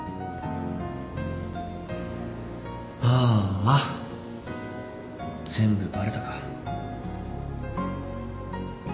あーあ全部バレたか。